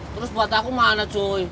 terus buat aku mana joy